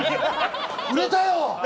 売れたよ！